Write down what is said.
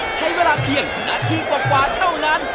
ใช้เวลาเพียงนาทีกว่าเท่านั้น